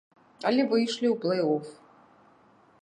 Але выйшлі ў плэй-оф.